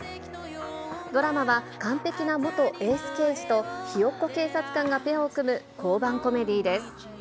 ドラマは完璧な元エース刑事と、ひよっこ警察官がペアを組む交番コメディーです。